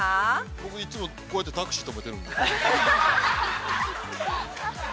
◆僕いっつもこうやって、タクシーとめてるんで。